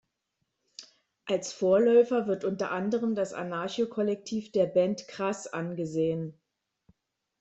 Als Vorläufer wird unter anderem das Anarcho-Kollektiv der Band Crass angesehen.